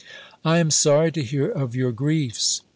I am sorry to hear of your griefs.